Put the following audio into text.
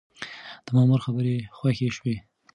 د مامور خبرې خوښې شوې.